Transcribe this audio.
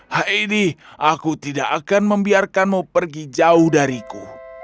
heidi aku tidak akan membiarkanmu pergi jauh dariku